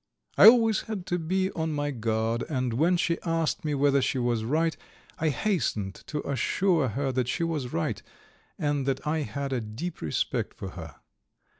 I always had to be on my guard, and when she asked me whether she was right I hastened to assure her that she was right, and that I had a deep respect for her.